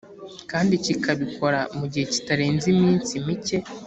kandi kikabikora mu gihe kitarenze iminsi mike